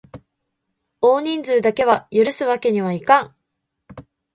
多人数だけは許すわけにはいかん！